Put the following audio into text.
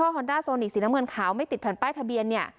ฮอนด้าโซนิกสีน้ำเงินขาวไม่ติดแผ่นป้ายทะเบียนเนี่ย